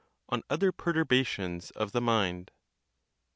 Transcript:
ON OTHER PERTURBATIONS OF THE MIND.